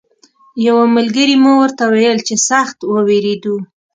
یوه ملګري مو ورته ویل چې سخت ووېرېدو.